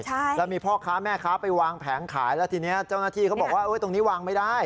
ใช่แล้วมีพ่อค้าแม่ค้าไปวางแผงขายแล้วทีนี้เจ้าหน้าที่เขาบอกว่าตรงนี้วางไม่ได้